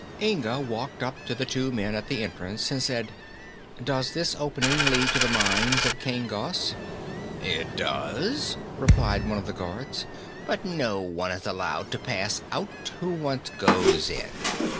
Inga walked up to the two men at the entrance and said: "Does this opening lead to the mines of King Gos?" "It does," replied one of the guards, "but no one is allowed to pass out who once goes in."